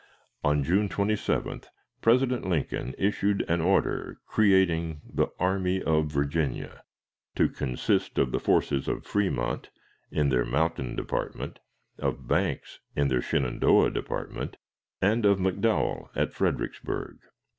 On June 27th President Lincoln issued an order creating the "Army of Virginia," to consist of the forces of Fremont, in their Mountain Department; of Banks, in their Shenandoah Department; and of McDowell, at Fredericksburg.